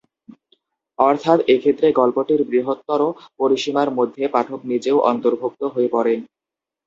অর্থাৎ এক্ষেত্রে গল্পটির বৃহত্তর পরিসীমার মধ্যে পাঠক নিজেও অন্তর্ভুক্ত হয়ে পড়ে।